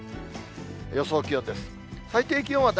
予想気温です。